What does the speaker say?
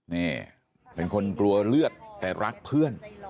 นี่เป็นคนกลัวเลือดแต่รักเพื่อน